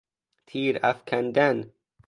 تیر افکندن